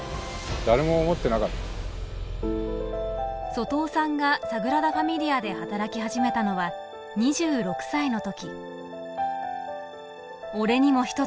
外尾さんがサグラダ・ファミリアで働き始めたのは２６歳の時。